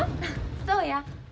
そうや。